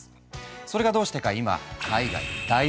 それがどうしてか今海外で大ブーム。